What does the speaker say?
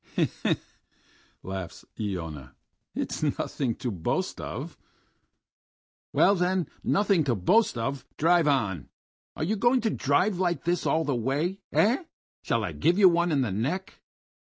"He he!... he he!..." laughs Iona. "It's nothing to boast of!" "Well, then, nothing to boast of, drive on! Are you going to drive like this all the way? Eh? Shall I give you one in the neck?"